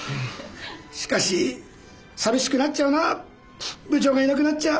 しかし寂しくなっちゃうな部長がいなくなっちゃ。